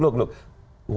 satu demi satu